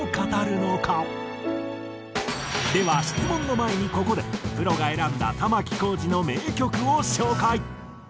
では質問の前にここでプロが選んだ玉置浩二の名曲を紹介。